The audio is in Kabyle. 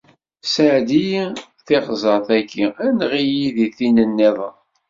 Sεeddi-yi tiɣẓert-agi, enɣ-iyi deg tin-nniḍen.